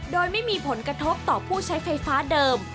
โดยไม่มีผลกระทบต่อผู้ใช้ไฟฟ้าเดิม